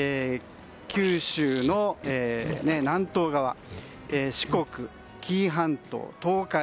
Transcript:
九州の南東側四国、紀伊半島、東海